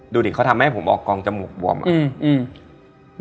ดูดิเขาทำให้ผมออกกองจมูกบวมอ่ะอืมอืม